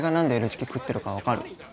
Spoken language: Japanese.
チキ食ってるか分かる？